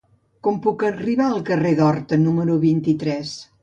Com puc arribar al carrer d'Horta número vint-i-tres?